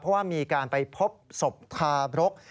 เพราะว่ามีการไปพบศพทาบรก